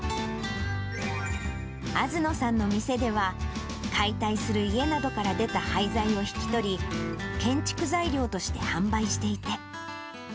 東野さんの店では、解体する家などから出た廃材を引き取り、建築材料として販売していて。